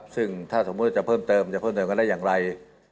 ซึ่งถ้าสมมุติจะเพิ่มเติมจะเพิ่มเติมกันได้อย่างไร